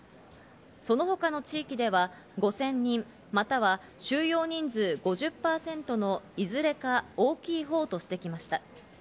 その他の地域では５０００人または収容人数５０％のいずれか大きいほうとしてきました。